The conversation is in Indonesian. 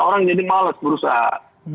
orang jadi males berusaha